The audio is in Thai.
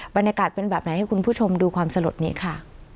บรรยากาศเป็นแบบไหนให้คุณผู้ชมดูความสลดนี้ค่ะ